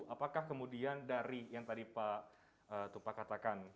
apakah kemudian dari yang tadi pak tupa katakan